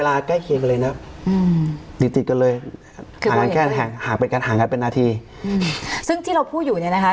หากเป็นการห่างกันเป็นหน้าที่อืมซึ่งที่เราพูดอยู่เนี้ยนะคะ